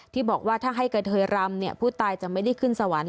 ที่บอกว่าถ้าให้กระเทยรำผู้ตายจะไม่ได้ขึ้นสวรรค์